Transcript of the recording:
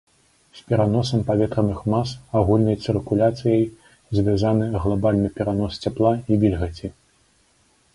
З пераносам паветраных мас агульнай цыркуляцыяй звязаны глабальны перанос цяпла і вільгаці.